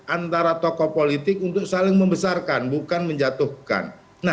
antara tokoh politik untuk saling membesarkan bukan menjatuhkan